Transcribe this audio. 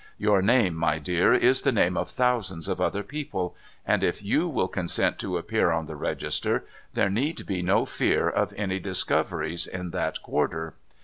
Your name, my dear, is the name of thousands of other people ; and if _jv// will consent to appear on the Register, there need be no fear of any 570 NO THOROUGHFARE discoveries in that quarter.